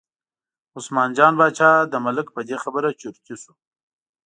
عثمان جان باچا د ملک په دې خبره چرتي شو.